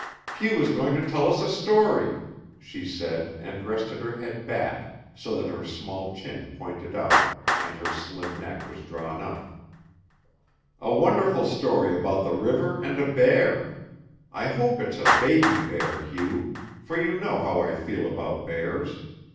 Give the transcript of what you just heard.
"Hugh is going to tell us a story," she said, and rested her head back so that her small chin pointed out and her slim neck was drawn up "a wonderful story about the river and a bear. I hope it's a baby bear, Hugh, for you know how I feel about bears.